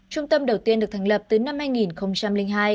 trung tâm đầu tiên được thành lập từ năm hai nghìn hai